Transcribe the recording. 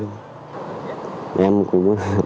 em cũng buôn em đi qua bên dưới luôn